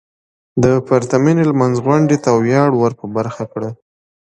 د پرتمينې لمانځغونډې ته وياړ ور په برخه کړه .